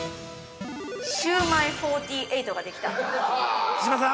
◆シウマイ４８ができた。